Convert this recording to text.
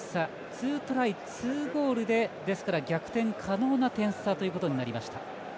２トライ２ゴールで逆転可能な点差ということになりました。